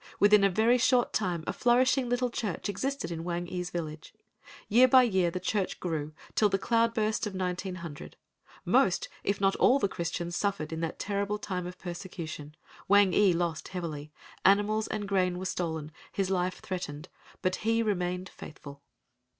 Within a very short time a flourishing little church existed in Wang ee's village. Year by year the church grew till the cloudburst of 1900. Most, if not all the Christians suffered in that terrible time of persecution,—Wang ee lost heavily,—animals and grain were stolen, his life threatened, but he remained faithful.